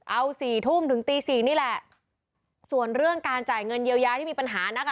เอาสี่ทุ่มถึงตีสี่นี่แหละส่วนเรื่องการจ่ายเงินเยียวยาที่มีปัญหานักอ่ะ